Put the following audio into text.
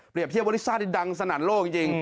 เทียบว่าลิซ่านี่ดังสนั่นโลกจริง